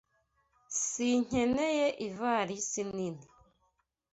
Sinkeneye ivalisi nini.